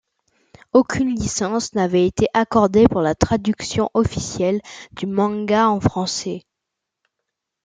Aucune licence n’avait été accordée pour la traduction officielle du manga en français.